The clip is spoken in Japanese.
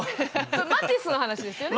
マティスの話ですよね。